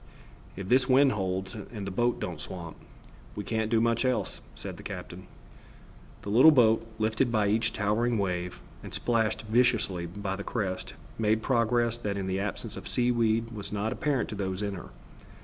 "If this wind holds and the boat don't swamp, we can't do much else," said the captain. The little boat, lifted by each towering sea, and splashed viciously by the crests, made progress that in the absence of seaweed was not apparent to those in her.